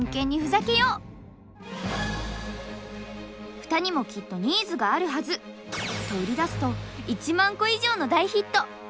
フタにもきっとニーズがあるはずと売り出すと１万個以上の大ヒット！